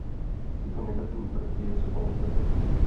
Tyto negativní prvky je třeba odstranit.